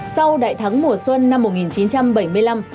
sau đại thắng mùa xuân năm một nghìn chín trăm bảy mươi năm